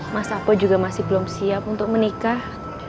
mas apo juga masih belum siap untuk menikah